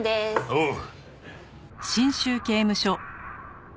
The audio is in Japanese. おう。